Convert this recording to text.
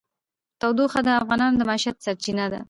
تودوخه د افغانانو د معیشت سرچینه ده.